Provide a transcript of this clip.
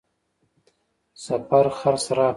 سفر خرڅ راکړ.